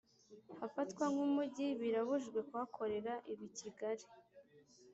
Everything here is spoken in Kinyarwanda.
hafatwa nk Umujyi birabujijwe kuhakorera ibi Kigali